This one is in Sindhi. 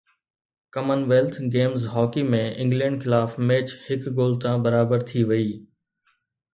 ڪمن ويلٿ گيمز هاڪي ۾ انگلينڊ خلاف ميچ هڪ گول تان برابر ٿي وئي